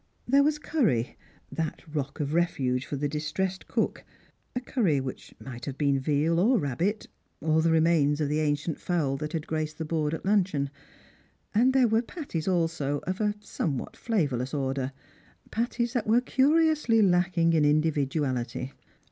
There was curry, that rock of refuge for the distressed cook — a curry which might have been veal or rabbit, or the remains of tJie ancient fowl that had graced the board at luncheon ; and 112 Strangers and Pilgrims. there were patties also, of a somewhat flavourless order, patties that were curiously lacking in individuality.